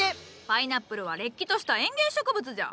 パイナップルはれっきとした園芸植物じゃ！